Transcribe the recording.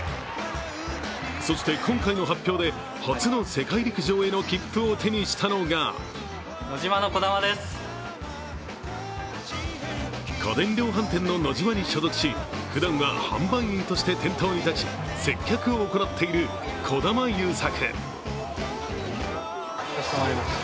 そして、今回の発表で初の世界陸上への切符を手にしたのが家電量販店のノジマに所属しふだんは販売員として店頭に立ち接客を行っている児玉悠作。